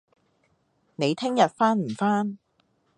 你聽日返唔返